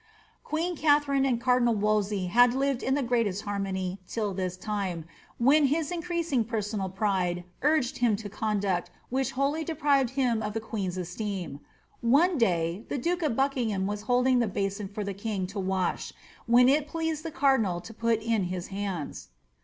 Queen Katharine and cardinal Wolsey had lived in the greatest har mony till this time, when his increasing personal pride niged him to conduct which wholly deprived him of the queen's esteem. One day, the duke of Buckingham was holding the basin for the king to wash, whien it pleased the cardinal to put in his hands.